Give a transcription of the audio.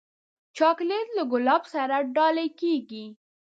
چاکلېټ له ګلاب سره ډالۍ کېږي.